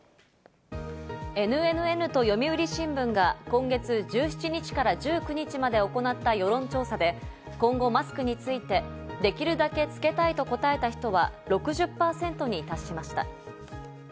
ＮＮＮと読売新聞が今月１７日から１９日まで行った世論調査で、今後マスクについてできるだけ着けたいと答えた人は６０％に達しました。